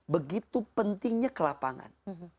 begitu pentingnya kelapangan